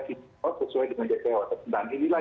kto sesuai dengan kto dan inilah